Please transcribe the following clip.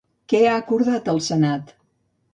Què ha acordat el Senat?